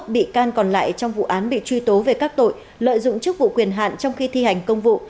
một mươi bị can còn lại trong vụ án bị truy tố về các tội lợi dụng chức vụ quyền hạn trong khi thi hành công vụ